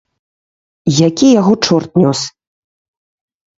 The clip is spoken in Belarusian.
Які яго чорт нёс!